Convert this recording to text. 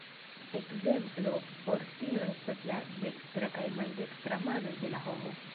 Ekzemplo por tio estas la dekstra kaj maldekstra manoj de la homo.